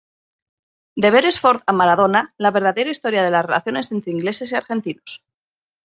De Beresford a Maradona, la verdadera historia de las relaciones entre ingleses y argentinos".